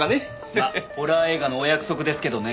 まっホラー映画のお約束ですけどね。